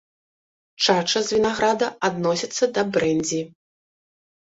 Чача з вінаграда адносіцца да брэндзі.